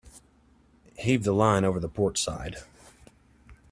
Heave the line over the port side.